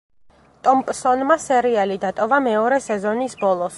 ტომპსონმა სერიალი დატოვა მეორე სეზონის ბოლოს.